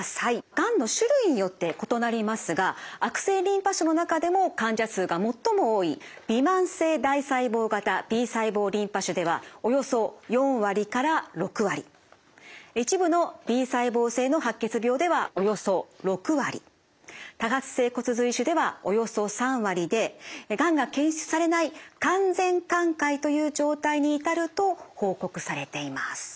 がんの種類によって異なりますが悪性リンパ腫の中でも患者数が最も多いびまん性大細胞型Ｂ細胞リンパ腫ではおよそ４割から６割一部のＢ細胞性の白血病ではおよそ６割多発性骨髄腫ではおよそ３割でがんが検出されない完全寛解という状態に至ると報告されています。